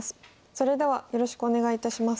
それではよろしくお願いいたします。